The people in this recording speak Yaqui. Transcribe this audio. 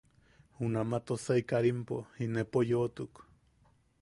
Junama Tosai Karimpo inepo yoʼotuk.